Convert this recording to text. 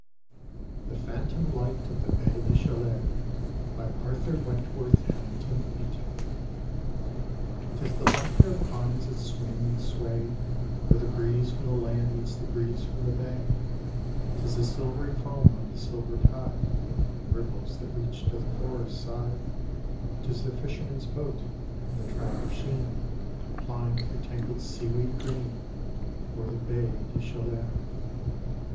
THE PHANTOM LIGHT OF THE BAIE DES CKALEURS : Arthur wentworth Hamilton EATON Tis the laughter of pines that swing and sway Where the breeze from the land meets the breeze from the bay, Tis the silvery foam of the silver tide In ripples that reach to the forest side; 'TIS the fisherman's boat, in the track of sheen. Plying through tangled seaweed green, O'er the Baie des Chaleuis.